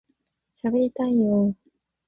しゃべりたいよ～